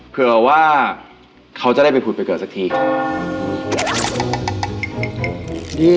เผื่อว่าเขาจะได้ไปขุดไปเกิดสักที